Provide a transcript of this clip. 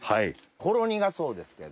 ほろ苦そうですけど。